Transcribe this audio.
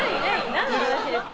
何の話ですか？